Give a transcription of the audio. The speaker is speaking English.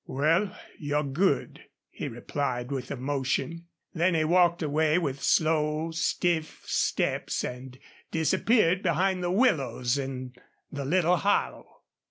"Well, you're good," he replied, with emotion. Then he walked away with slow, stiff steps and disappeared behind the willows in the little hollow.